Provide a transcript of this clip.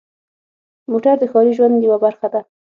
موټر د ښاري ژوند یوه برخه ده.